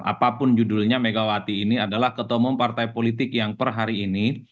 apapun judulnya megawati ini adalah ketua umum partai politik yang per hari ini